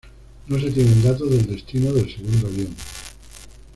No se tienen datos del destino del segundo avión.